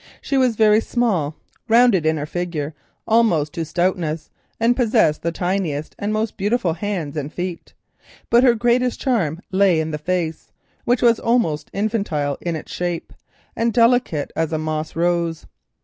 She was very small, rounded in her figure almost to stoutness, and possessed the tiniest and most beautiful hands and feet. But her greatest charm lay in the face, which was almost infantile in its shape, and delicate as a moss rose.